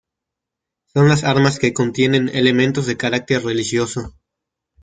Son las armas que contienen elementos de carácter religioso.